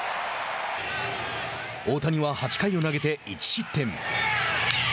大谷は８回を投げて１失点。